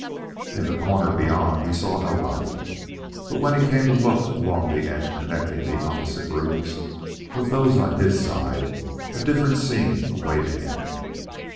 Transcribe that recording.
In the corner beyond he saw nobody, but when he came to look along the end connecting the opposite rooms with those on his side, a different scene awaited him.